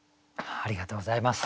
ありがとうございます。